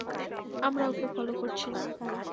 আমরা ওকে ফলো করছি না।